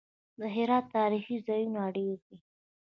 د هرات تاریخي ځایونه ډیر دي